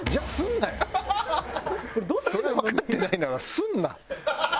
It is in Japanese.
それわかってないならすんな！